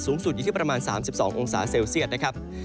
สูงสุดอยู่ที่ประมาณ๓๒องศาเซลเซียตนะครับ